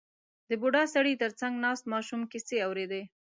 • د بوډا سړي تر څنګ ناست ماشوم کیسې اورېدې.